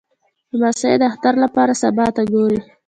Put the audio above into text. لمسی د اختر لپاره سبا ته ګوري.